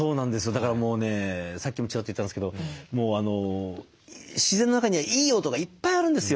だからもうねさっきもチラッと言ったんですけど自然の中にはいい音がいっぱいあるんですよ。